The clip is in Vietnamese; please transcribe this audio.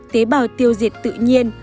tế bào tiêu diệt tự nhiên